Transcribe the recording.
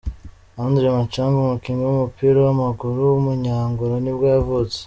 André Macanga, umukinnyi w’umupira w’amaguru w’umunya-Angola nibwo yavutse.